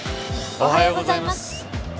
おはようございます。